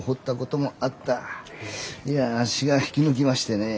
いやあっしが引き抜きましてね。